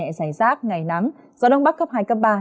giải rác ngày nắng gió đông bắc cấp hai cấp ba trời rét